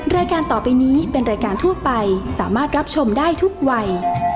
รายการต่อไปนี้เป็นรายการทั่วไปสามารถรับชมได้ทุกวัย